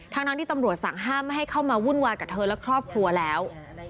ทั้งที่ตำรวจสั่งห้ามไม่ให้เข้ามาวุ่นวายกับเธอและครอบครัวแล้ว